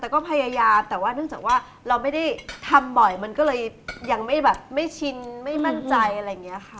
แต่ก็พยายามแต่ว่าเนื่องจากว่าเราไม่ได้ทำบ่อยมันก็เลยยังไม่แบบไม่ชินไม่มั่นใจอะไรอย่างนี้ค่ะ